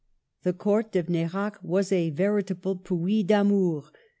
The Court of Nerac was a veritable Puy d'amour.